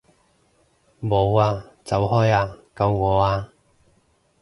冇啊！走開啊！救我啊！